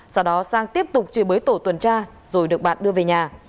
sau đó sang tiếp tục chìa bới tổ tuần tra rồi được bạn đưa về nhà